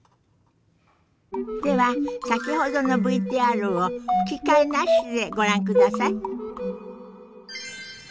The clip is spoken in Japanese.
では先ほどのＶＴＲを吹き替えなしでご覧ください。